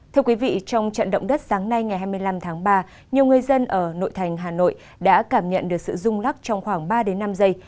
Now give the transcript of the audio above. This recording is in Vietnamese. thưa quý vị trong trận động đất sáng nay ngày hai mươi năm tháng ba nhiều người dân ở nội thành hà nội đã cảm nhận được sự rung lắc trong khoảng ba năm giây